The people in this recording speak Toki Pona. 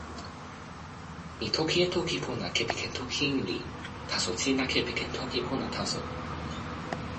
mi toki e toki pona kepeken toki Inli, taso sina kepeken toki pona taso.